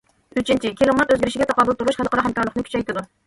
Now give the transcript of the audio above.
ئۈچىنچى، كىلىمات ئۆزگىرىشىگە تاقابىل تۇرۇش خەلقئارا ھەمكارلىقنى كۈچەيتىدۇ.